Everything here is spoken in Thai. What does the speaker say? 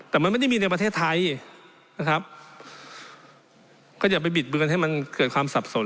แต่มันไม่ได้มีในประเทศไทยนะครับก็อย่าไปบิดเบือนให้มันเกิดความสับสน